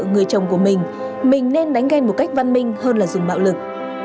người chồng của mình mình nên đánh ghen một cách văn minh hơn là dùng bạo lực